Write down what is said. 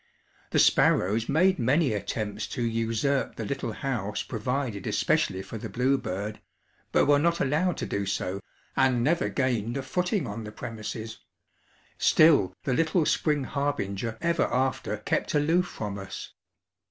The sparrows made many attempts to usurp the little house provided especially for the bluebird, but were not allowed to do so and never gained a footing on the premises; still the little spring harbinger ever after kept aloof from us.